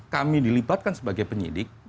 kami dilibatkan sebagai penyidik